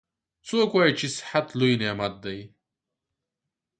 څوک وایي چې صحت لوی نعمت ده